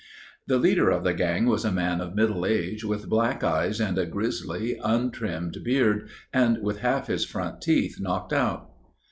The leader of the gang was a man of middle age, with black eyes and a grisly, untrimmed beard, and with half his front teeth knocked out."